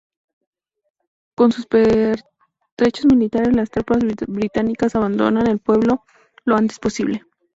Con sus pertrechos militares, las tropas británicas abandonan el pueblo lo antes posible.